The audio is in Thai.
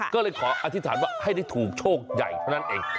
ก็เลยขออธิษฐานว่าให้ได้ถูกโชคใหญ่เท่านั้นเอง